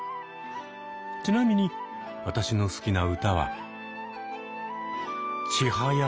ちなみに私の好きな歌は「ちはや」。